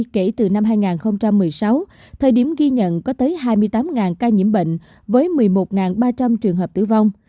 kể từ năm hai nghìn một mươi sáu thời điểm ghi nhận có tới hai mươi tám ca nhiễm bệnh với một mươi một ba trăm linh trường hợp tử vong